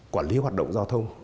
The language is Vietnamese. quản lý hoạt động giao thông